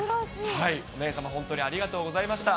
お姉様、本当にありがとうございました。